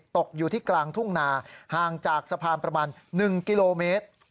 ตกอยู่ที่กลางทุ่งนาห่างจากสะพานประมาณ๑กิโลเมตร